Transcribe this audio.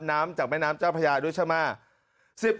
น้ำจากแม่น้ำเจ้าพญาด้วยใช่ไหม